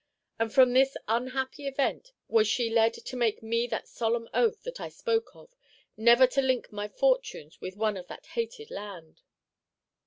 And from this unhappy event was she led to make me take that solemn oath that I spoke of, never to link my fortunes with one of that hated land."